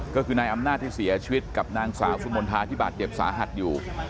ก็คือนายอำนาจที่เสียชีวิตกับนางสาวสุมนทาที่บาดเจ็บสาหัสอยู่